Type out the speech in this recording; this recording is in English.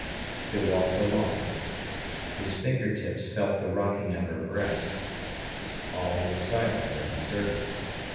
They walked along. His finger tips felt the rocking of her breast. All was silent and deserted.